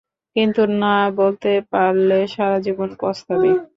কিন্তু না বলতে পারলে সারাজীবন পস্তাবি।